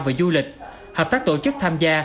về du lịch hợp tác tổ chức tham gia